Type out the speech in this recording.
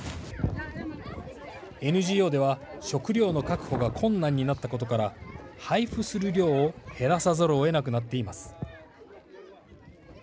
ＮＧＯでは食料の確保が困難になったことから配付する量を減らさざるをえなくなっています。